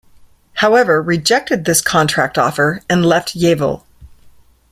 However, rejected this contract offer and left Yeovil.